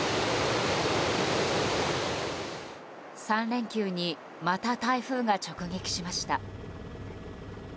３連休にまた台風が直撃しました。